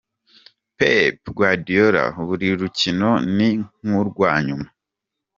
Pep Guardiola: Buri rukino ni nk'urwa nyuma .